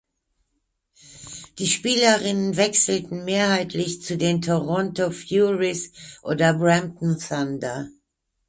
Die Spielerinnen wechselten mehrheitlich zu den Toronto Furies oder Brampton Thunder.